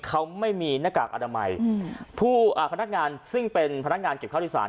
เขาไม่มีหน้ากากอนามัยอืมผู้อ่าพนักงานซึ่งเป็นพนักงานเก็บข้าวที่สาร